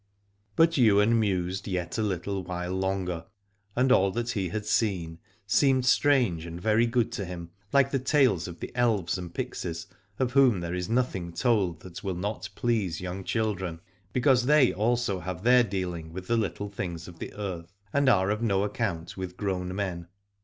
But Ywain mused yet a little while longer, and all that he had seen seemed strange and very good to him, like the tales of the elves and pixies, of whom there is nothing told that will not please young children, because 24 Alad ore they also have their dealing with the little things of the earth, and are of no account with grown men.